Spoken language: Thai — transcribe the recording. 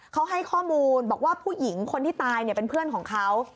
เขาให้ข้อมูลบอกว่าผู้หญิงคนที่ตายเป็นเพื่อนของเขา